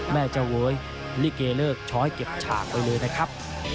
เจ้าเว้ยลิเกเลิกช้อยเก็บฉากไปเลยนะครับ